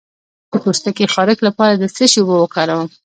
د پوستکي خارښ لپاره د څه شي اوبه وکاروم؟